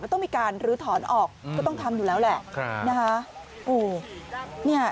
ต้องมีการลื้อถอนออกก็ต้องทำอยู่แล้วแหละนะคะ